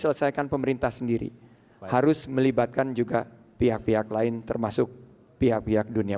selesaikan pemerintah sendiri harus melibatkan juga pihak pihak lain termasuk pihak pihak dunia